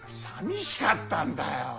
さみしかったんだよ。